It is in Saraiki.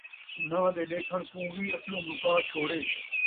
اُنھاں دے ݙیکھݨ کوں وی اصلوں مُکا چھوڑے،